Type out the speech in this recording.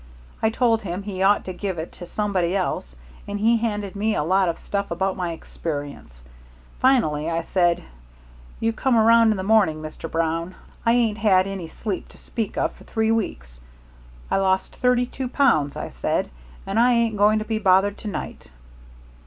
I told him he ought to give it to somebody else, and he handed me a lot of stuff about my experience. Finally I said: 'You come around in the morning, Mr. Brown. I ain't had any sleep to speak of for three weeks. I lost thirty two pounds,' I said, 'and I ain't going to be bothered to night.'